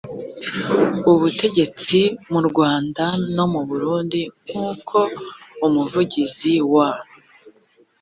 ubutegetsi mu rwanda no mu burundi nk uko umuvugizi wa